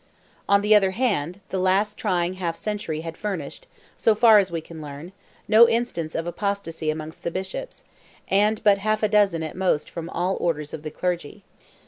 On the other hand, the last trying half century had furnished, so far as we can learn, no instance of apostacy among the Bishops, and but half a dozen at most from all orders of the clergy.